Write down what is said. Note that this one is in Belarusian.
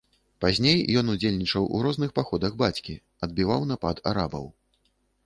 Пазней ён удзельнічаў у розных паходах бацькі, адбіваў напад арабаў.